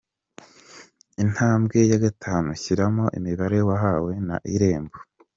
Intambwe ya gatanu, shyiramo imibare wahawe na irembo.